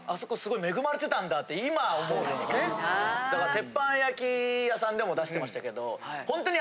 鉄板焼き屋さんでも出してましたけどほんとに。